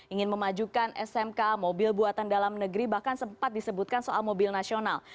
ingin memajukan smk mobil buatan dalam negeri bahkan sempat disebutkan soal mobil nasional